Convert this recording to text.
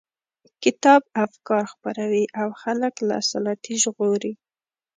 کتاب افکار خپروي او خلک له سلطې ژغوري.